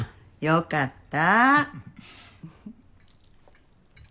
よかった。